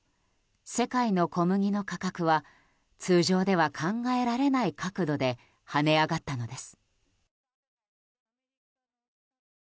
世界の小麦の価格は通常では考えられない角度で跳ね上がったのです。